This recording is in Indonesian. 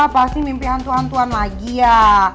pasti mimpi hantu hantuan lagi ya